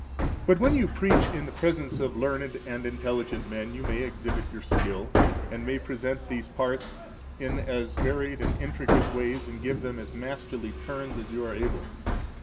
But when you preach in the presence of learned and intelligent men, you may exhibit your skill, and may present these parts in as varied and intricate ways and give them as masterly turns as you are able.